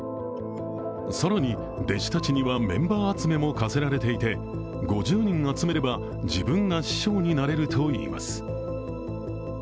更に弟子たちには、メンバー集めも課せられていて５０人集めれば自分が師匠になれるといいます。